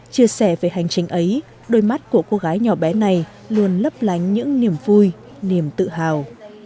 chia sẻ về hành trình ấy đôi mắt của cô gái nhỏ bé này luôn lấp lánh những niềm vui niềm tự hào